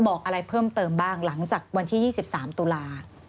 บอกอะไรเพิ่มเติมบ้างหลังจากวันที่๒๓ตุลา